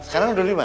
sekarang udah lima